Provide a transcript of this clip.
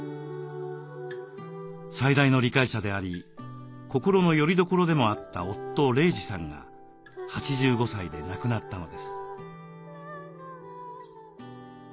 最大の理解者であり心のよりどころでもあった夫・玲児さんが８５歳で亡くなったのです。